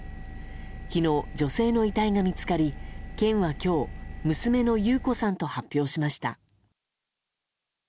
昨日、女性の遺体が見つかり県は今日娘の優子さんと発表しました。